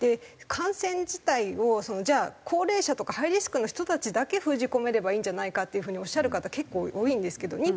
感染自体をじゃあ高齢者とかハイリスクな人たちだけ封じ込めればいいんじゃないかっていう風におっしゃる方結構多いんですけど。